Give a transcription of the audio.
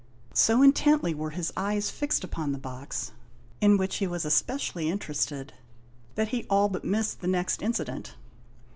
So intently were his eyes fixed upon the box, in which he was especially interested, that 137 O HOST TALES. he all but missed the next incident.